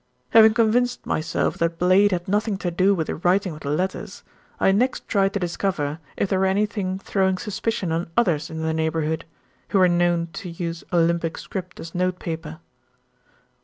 "Having convinced myself that Blade had nothing to do with the writing of the letters, I next tried to discover if there were anything throwing suspicion on others in the neighbourhood, who were known to use 'Olympic Script' as note paper.